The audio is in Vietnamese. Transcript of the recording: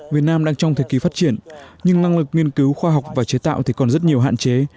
việt nam đang trong thời kỳ phát triển nhưng năng lực nghiên cứu khoa học và chế tạo thì còn rất nhiều hạn chế